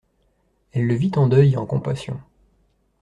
Elle le vit en deuil et en compassion.